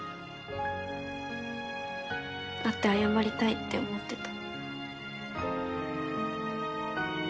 会って謝りたいって思ってた。